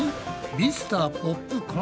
ミスターポップコーン？